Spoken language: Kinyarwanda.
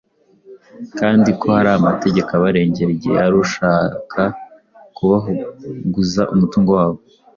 kandi ko hari amategeko abarengera igihe hari ushaka kubahuguza umutungo wabo.